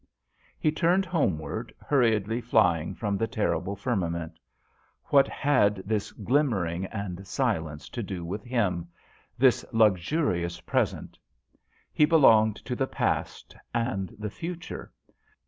He turned homeward, hurriedly flying from the terrible firmament. What had this glimmering and silence to do with him this luxu 1 68 JOHN SHERMAN. rious present ? He belonged to the past and the future.